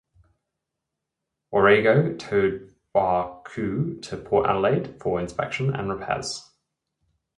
"Warrego" towed "Barcoo" to Port Adelaide for inspection and repairs.